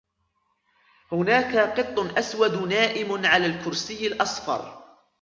هناك قط أسود نائم على الكرسي الأصفر.